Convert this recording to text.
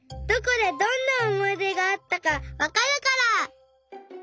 どこでどんなおもいでがあったかわかるから！